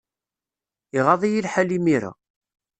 Iɣaḍ-iyi lḥal imir-a.